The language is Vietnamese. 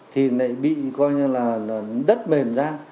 thì bị đất mềm ra